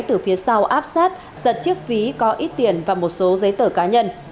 từ phía sau áp sát giật chiếc ví có ít tiền và một số giấy tờ cá nhân